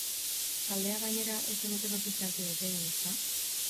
Taldea, gainera, ez zenuten ofizialki desegin, ezta?